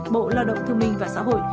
bộ lao động thương minh và xã hội